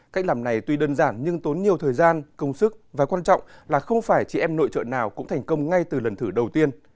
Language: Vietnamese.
cách làm này tuy đơn giản nhưng tốn nhiều thời gian công sức và quan trọng là không phải chị em nội trợ nào cũng thành công ngay từ lần thử đầu tiên